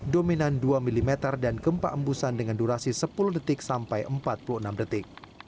dominan dua mm dan gempa embusan dengan durasi sepuluh detik sampai empat puluh enam detik